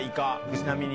ちなみに。